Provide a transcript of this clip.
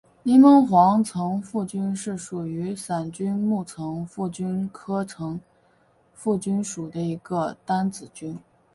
柠檬黄层腹菌是属于伞菌目层腹菌科层腹菌属的一种担子菌。